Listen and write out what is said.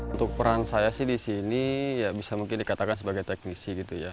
untuk peran saya sih di sini ya bisa mungkin dikatakan sebagai teknisi gitu ya